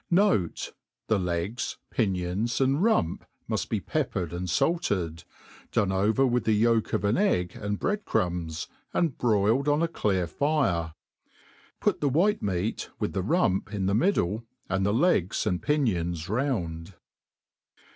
Note, The legs, pinions, and rump muft be peppered and falted, done over with the yolk of an egg and bread crumbs, and broiled on a clear fire; put the white meat, with the rump, in the middle, and the legs and pinions round.